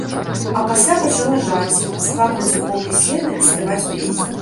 А пасля пачала жаць, складваць у копы сена і спяваць песні.